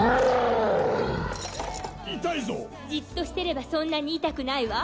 じっとしてればそんなに痛くないは。